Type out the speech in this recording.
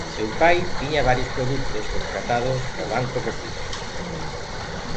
Seu pai tiña varios produtos contratados no Banco Popular.